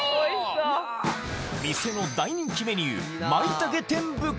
店の大人気メニュー